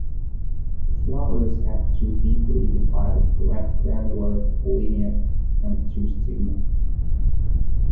The flowers have two deeply divided granular pollinia and two stigma.